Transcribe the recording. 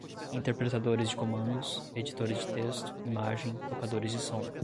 interpretadores de comandos, editores de texto, imagem, tocadores de som